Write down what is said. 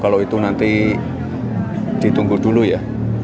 kalau itu nanti ditunggu dulu ya